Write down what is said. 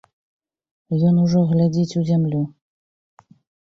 Ён ужо глядзіць у зямлю.